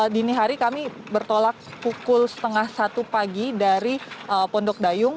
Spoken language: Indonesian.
dini hari kami bertolak pukul setengah satu pagi dari pondok dayung